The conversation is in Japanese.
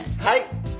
はい。